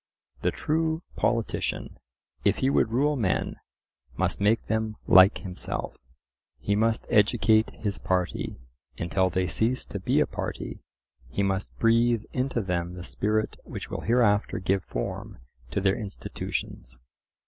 The true politician, if he would rule men, must make them like himself; he must "educate his party" until they cease to be a party; he must breathe into them the spirit which will hereafter give form to their institutions.